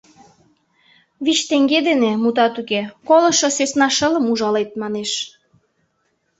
Вич теҥге дене, мутат уке, колышо сӧсна шылым ужалет, манеш.